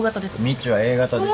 みちはＡ型です。